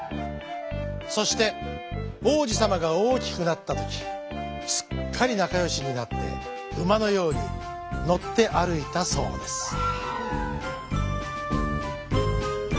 そしておうじさまがおおきくなったときすっかりなかよしになってうまのようにのってあるいたそうです。